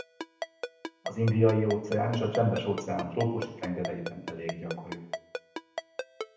Az Indiai-óceán és a Csendes-óceán trópusi tengereiben elég gyakori.